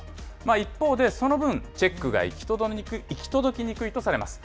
一方、その分、チェックが行き届きにくいとされます。